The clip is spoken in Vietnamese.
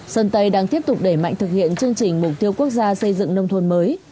sơn tây đang tiếp tục đẩy mạnh thực hiện chương trình mục tiêu quốc gia xây dựng nông thôn mới